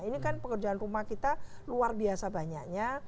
ini kan pekerjaan rumah kita luar biasa banyaknya